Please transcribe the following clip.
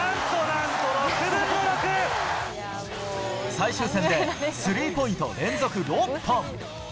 最終戦でスリーポイント連続６本。